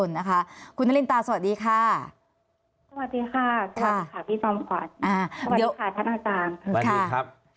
สวัสดีครับ